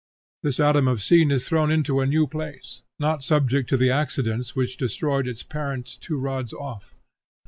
This atom of seed is thrown into a new place, not subject to the accidents which destroyed its parent two rods off.